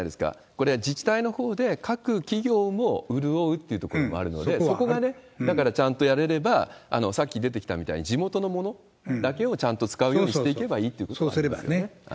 これ、自治体のほうで各企業も潤うっていうところもあるので、そこがね、だからちゃんとやれれば、さっき出てきたみたいに地元のものだけをちゃんと使うようにしてそうすればね。